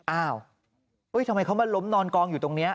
อ้าวทำไมเขามาล้มนอนกองอยู่ตรงนี้